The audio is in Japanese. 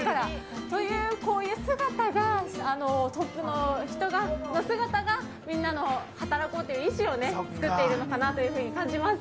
こういう姿がみんなの働こうという意思を作っているのかなと感じます。